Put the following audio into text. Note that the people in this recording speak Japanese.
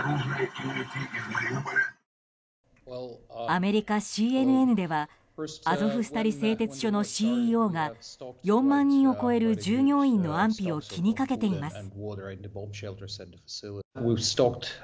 アメリカＣＮＮではアゾフスタリ製鉄所のＣＥＯが４万人を超える従業員の安否を気にかけています。